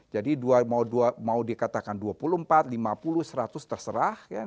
jadi mau dikatakan dua puluh empat lima puluh seratus terserah